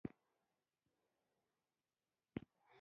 د پردې څنډه يې پورته کړه.